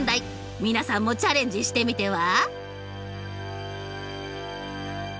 皆さんもチャレンジしてみては？